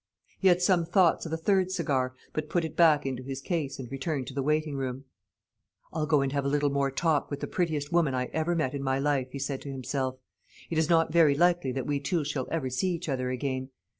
He had some thoughts of a third cigar, but put it back into his case, and returned to the waiting room. "I'll go and have a little more talk with the prettiest woman I ever met in my life," he said to himself. "It is not very likely that we two shall ever see each other again.